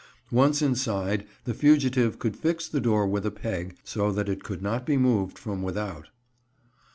Once inside, the fugitive could fix the door with a peg, so that it could not be moved from without.